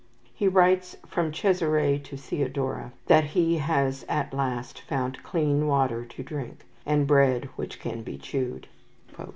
He writes from Caesarea to Theodora that he has at last found clean water to drink, and bread which can be chewed.